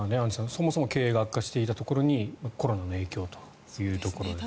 そもそも経営が悪化していたところにコロナの影響ということですね。